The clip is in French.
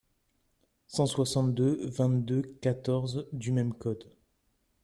cent soixante-deux-vingt-deux-quatorze du même code.